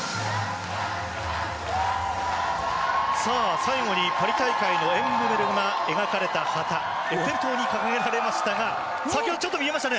最後にパリ大会のエンブレムが描かれた旗がエッフェル塔に掲げられましたが先ほど、ちょっと見えましたね。